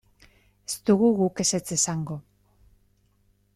Ez dugu guk ezetz esango.